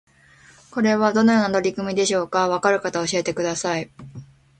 これはどのような取り組みでしょうか？わかる方教えてください